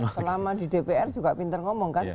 selama di dpr juga pinter ngomong kan